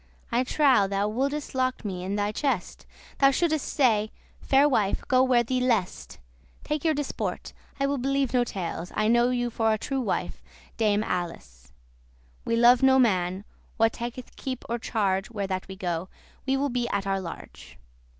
I trow thou wouldest lock me in thy chest. Thou shouldest say, 'Fair wife, go where thee lest; Take your disport; I will believe no tales; I know you for a true wife, Dame Ales.'* *Alice We love no man, that taketh keep* or charge *care Where that we go; we will be at our large.